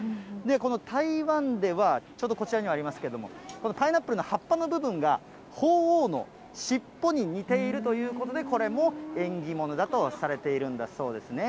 この台湾では、ちょうどこちらにもありますけれども、このパイナップルの葉っぱの部分が、ほうおうの尻尾に似ているということで、これも縁起物だとされているんだそうですね。